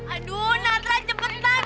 aduh natra cepetan dong